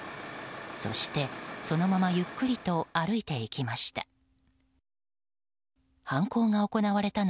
そして、そのままゆっくりと歩いていきました。